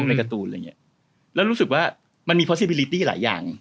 โลกในการ์ตูนอะไรอย่างเงี้ยแล้วรู้สึกว่ามันมีหลายอย่าง